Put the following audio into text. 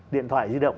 điện thoại di động